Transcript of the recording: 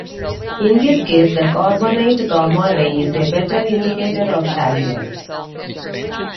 In this case, The carbonate gamma ray is a better indicator of shaliness.